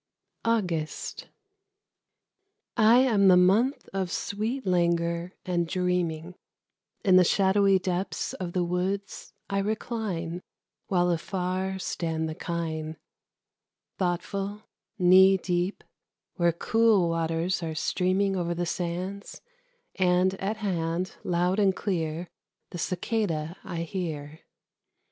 AUGUST. I am the month of sweet langour and dreaming. In the shadowy depths of the woods I recline, While afar stand the kine, Thoughtful, knee deep, where cool waters are streaming Over the sands, and at hand, loud and clear, The cicada I hear.